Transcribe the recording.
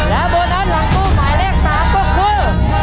และโบนัสหลังตู้หมายเลข๓ก็คือ